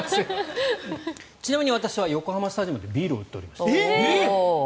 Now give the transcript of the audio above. ちなみに私は横浜スタジアムでビールを売っておりました。